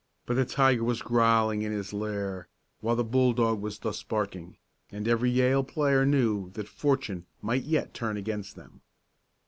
But the tiger was growling in his lair, while the bulldog was thus barking, and every Yale player knew that fortune might yet turn against them.